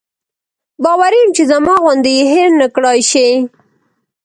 باوري یم چې زما غوندې یې هېر نکړای شي.